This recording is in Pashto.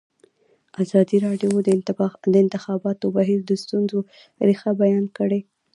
ازادي راډیو د د انتخاباتو بهیر د ستونزو رېښه بیان کړې.